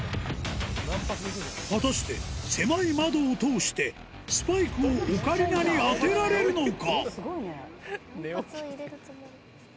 果たして、狭い窓を通して、スパイクをオカリナに当てられるのか。